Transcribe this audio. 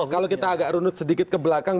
kalau kita agak runut sedikit ke belakang